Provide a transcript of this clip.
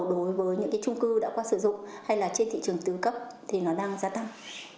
đối với những trung cư đã qua sử dụng hay là trên thị trường tư cấp thì nó đang gia tăng